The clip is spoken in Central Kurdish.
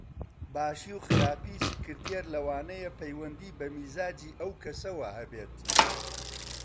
باشی و خراپی سکرتێر لەوانەیە پەیوەندی بە میزاجی ئەو کەسەوە هەبێت